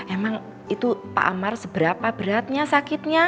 emang itu pak amar seberapa beratnya sakitnya